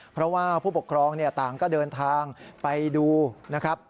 เพราะว่าผู้ปกครองต่างก็เดินทางไปดูนะครับ